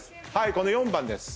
この４番です。